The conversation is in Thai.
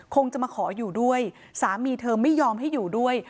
คงจะมาขออยู่ด้วยสามีเธอไม่ยอมให้อยู่ด้วย